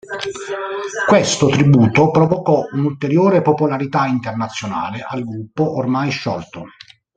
Questo tributo provocò un'ulteriore popolarità internazionale al gruppo ormai sciolto.